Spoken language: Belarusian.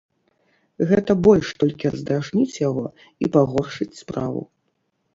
Гэта больш толькі раздражніць яго і пагоршыць справу.